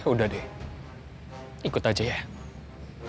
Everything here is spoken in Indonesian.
udah deh ikut aja ya